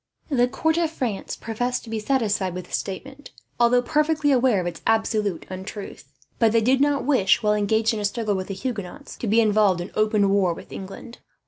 The court of France professed to be satisfied with this statement, although perfectly aware of its absolute untruth; but they did not wish, while engaged in the struggle with the Huguenots, to be involved in open war with England.